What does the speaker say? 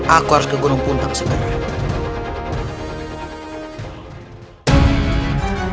aku harus ke gunung punta bersikap baik